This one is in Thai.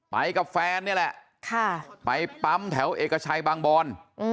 ไปกับแฟนนี่แหละไปปั๊มแถวเอกชัยบางบอน